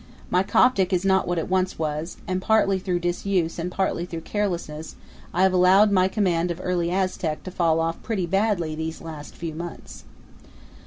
My Coptic is not what it once was; and, partly through disuse and partly through carelessness, I have allowed my command of early Aztec to fall off pretty badly these last few months.